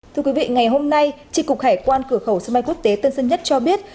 thưa quý vị ngày hôm nay tri cục hải quan cửa khẩu sân bay quốc tế tân sơn nhất cho biết